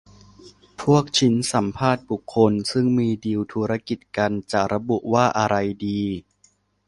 พวกชิ้นสัมภาษณ์บุคคล ซึ่งมีดีลธุรกิจกัน จะระบุว่าอะไรดี